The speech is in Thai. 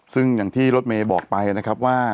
ซึ่งอย่างที่รถเมย์บอกไปนะครับว่า